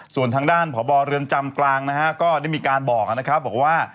ส่วนทางด้านผอบเรือนจำกลางก็ได้มีการบอกว่า